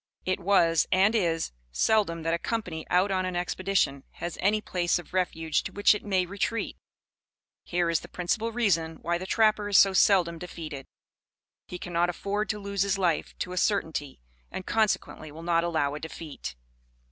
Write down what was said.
It was, and is, seldom that a company out on an expedition has any place of refuge to which it may retreat. Here is the principal reason why the trapper is so seldom defeated. He cannot afford to lose his life to a certainty, and consequently will not allow a defeat.